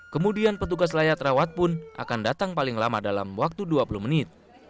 kemudian petugas layak rawat pun akan datang paling lama dalam waktu dua puluh menit